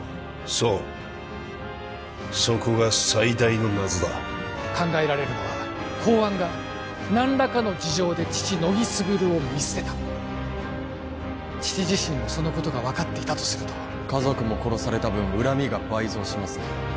そうそこが最大の謎だ考えられるのは公安が何らかの事情で父・乃木卓を見捨てた父自身もそのことが分かっていたとすると家族も殺された分恨みが倍増しますね